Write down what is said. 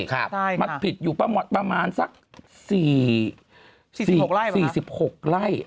มันผิดอยู่ประมาณสัก๔๖ไร่